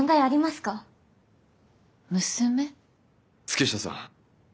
月下さん